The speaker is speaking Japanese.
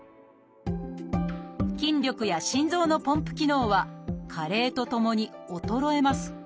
筋力や心臓のポンプ機能は加齢とともに衰えます。